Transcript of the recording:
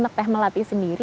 untuk teh melati sendiri